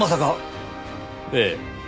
ええ。